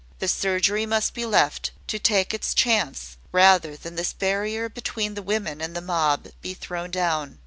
The surgery must be left to take its chance, rather than this barrier between the women and the mob be thrown down.